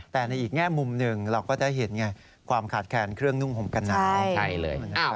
แต่ในอีกแง่มุมหนึ่งเราก็จะเห็นความขาดแขนเครื่องนุ่งผมกับหนาว